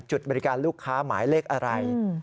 จุดบริการลูกค้าหมายเลขอะไร